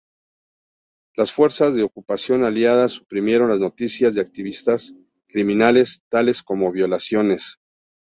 Las fuerzas de ocupación aliadas suprimieron las noticias de actividades criminales, tales como violaciones.